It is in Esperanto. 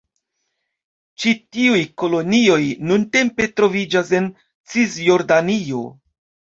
Ĉi tiuj kolonioj nuntempe troviĝas en Cisjordanio.